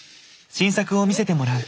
新作を見せてもらう。